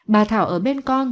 bà thảo ở bên con